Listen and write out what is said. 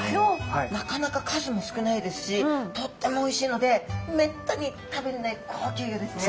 なかなか数も少ないですしとってもおいしいのでめったに食べれない高級魚ですね。